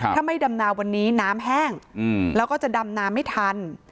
ถ้าไม่ดำนาวันนี้น้ำแห้งแล้วก็จะดำน้ำไม่ทัน